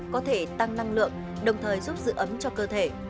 có thể tăng năng lượng đồng thời giúp giữ ấm cho cơ thể